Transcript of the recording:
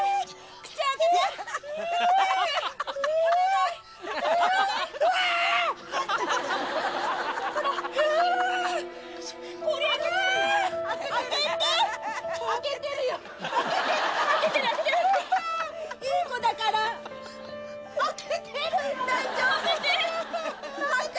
口を開けて！